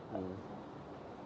bahu jalan ya